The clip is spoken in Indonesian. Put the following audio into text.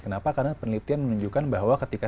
kenapa karena penelitian menunjukkan bahwa ketika